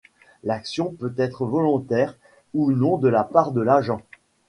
L'action peut être volontaire ou non de la part de l'agent.